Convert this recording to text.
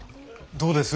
どうです？